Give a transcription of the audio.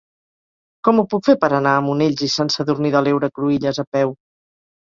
Com ho puc fer per anar a Monells i Sant Sadurní de l'Heura Cruïlles a peu?